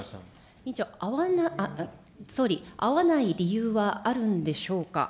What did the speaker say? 委員長、総理、会わない理由はあるんでしょうか。